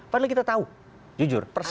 padahal kita tahu jujur